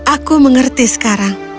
aku mengerti sekarang